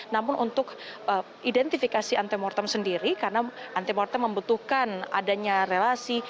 namun untuk identifikasi anti mortem sendiri karena anti mortem membutuhkan adanya relasi